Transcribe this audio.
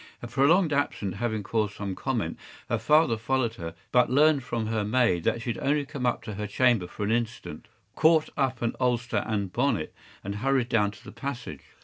Her prolonged absence having caused some comment, her father followed her, but learned from her maid that she had only come up to her chamber for an instant, caught up an ulster and bonnet, and hurried down to the passage.